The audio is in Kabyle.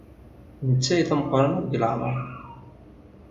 D netta ay d ameqran akk deg leɛmeṛ.